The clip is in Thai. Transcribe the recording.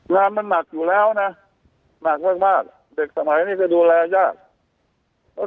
งานมันหนักอยู่แล้วนะหนักมากมากเด็กสมัยนี้ก็ดูแลยาก